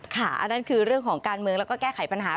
อันนั้นคือเรื่องของการเมืองแล้วก็แก้ไขปัญหา